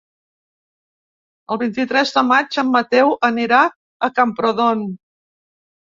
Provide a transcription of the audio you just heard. El vint-i-tres de maig en Mateu anirà a Camprodon.